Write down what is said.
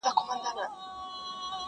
• یا بس گټه به راوړې په شان د وروره..